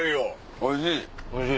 おいしい！